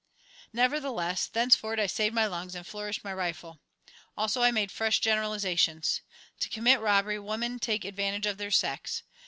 Nevertheless, thenceforward I saved my lungs and flourished my rifle. Also, I made fresh generalizations. To commit robbery women take advantage of their sex.